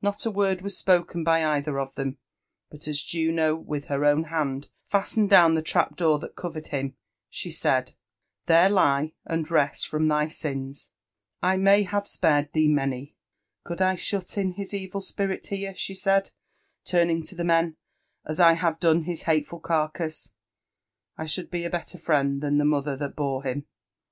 Not a word was spoken by either of them ; but as Juno with her own hand fastened down the trap door that covered him, she said, ''There lie, and rest ftom thy sins ! I may have spared thee many. — Gould I shut in his evil spirit here," she said, turning to the men, ''as I have done his hateful carcass, I should be a better friend than the mother that bore him.